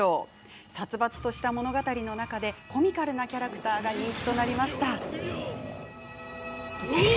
殺伐とした物語の中でコミカルなキャラクターが人気となりました。